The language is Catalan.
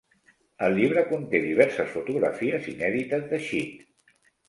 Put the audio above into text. El llibre conté diverses fotografies inèdites de Chick.